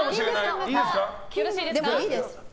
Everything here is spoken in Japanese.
でも、いいです。